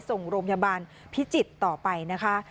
ส่งโรงพยาบาลพิจิตรต่อไปนะคะ